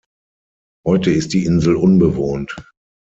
Heute ist die Insel unbewohnt.